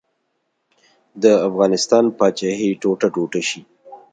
د افغانستان پاچاهي ټوټه ټوټه شي.